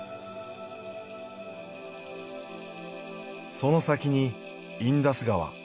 その先にインダス川。